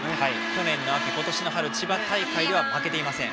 去年の秋、今年の春千葉大会では負けていません。